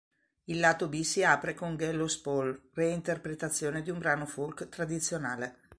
Il lato B si apre con "Gallows Pole", reinterpretazione di un brano folk tradizionale.